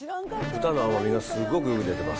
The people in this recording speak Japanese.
豚の甘みがすごくよく出てます。